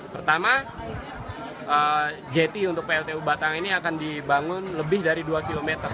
pertama jeti untuk pltu batang ini akan dibangun lebih dari dua km